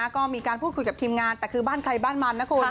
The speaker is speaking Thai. ก็มีการพูดคุยกับทีมงานแต่คือบ้านใครบ้านมันนะคุณ